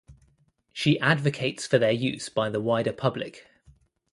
She advocates for their use by the wider public.